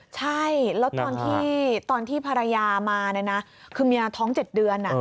ใช่แล้วตอนที่ภรรยามาเนี่ยนะคือเมียท้อง๗เดือน